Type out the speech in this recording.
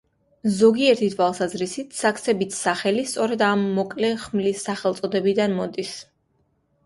ზოგიერთი თვალსაზრისით, „საქსების“ სახელი სწორედ ამ მოკლე ხმლის სახელწოდებიდან მოდის.